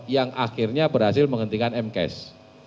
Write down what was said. yang akhirnya berhasil menghentikan m cash